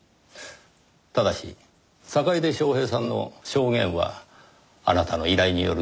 ただし坂出昌平さんの証言はあなたの依頼による偽証ですね？